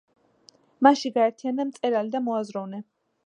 მასში გაერთიანდა მწერალი და მოაზროვნე.